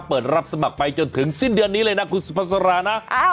เปิดรับสมัครไปจนถึงสิ้นเดือนนี้เลยนะคุณสุภาษารานะ